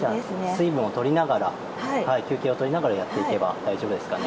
水分をとりながら、休憩を取りながらやっていけば大丈夫ですかね。